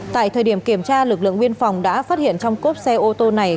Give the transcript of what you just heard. tại thời điểm kiểm tra lực lượng biên phòng đã phát hiện trong cốp xe ô tô này